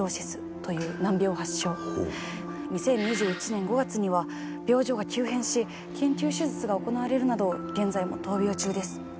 ２０２１年５月には病状が急変し緊急手術が行われるなど現在も闘病中です。